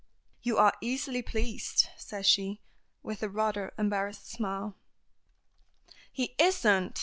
"You are easily pleased," says she, with a rather embarrassed smile. "He isn't!"